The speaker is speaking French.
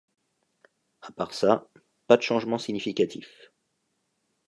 À part ça : pas de changements significatifs.